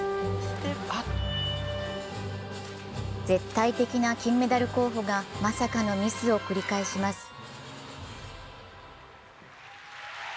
絶対的な金メダル候補がまさかのミスを繰り返します。